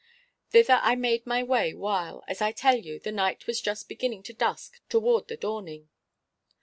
Thither I made my way while, as I tell you, the night was just beginning to dusk toward the dawning.